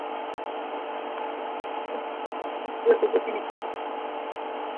কিন্তু যদি বেছে নিতে বলা হয়, তাহলে বেছে নেওয়ার ঝুঁকি অনেক বেশি।